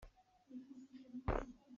Tu kum cu lei ka thuang kho lai lo.